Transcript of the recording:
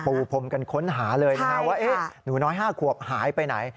พรมกันค้นหาเลยนะฮะว่าหนูน้อย๕ขวบหายไปไหน